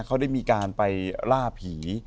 เขาได้มีการไปล่าผี